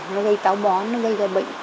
nó gây táo bón nó gây ra bệnh